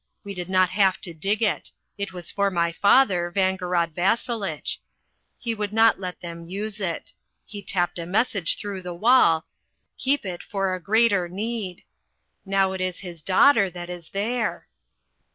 We did not have to dig it. It was for my father, Vangorod Vasselitch. He would not let them use it. He tapped a message through the wall, 'Keep it for a greater need.' Now it is his daughter that is there."